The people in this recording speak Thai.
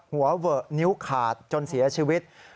หัวเวอะนิ้วขาดจนเสียชีวิต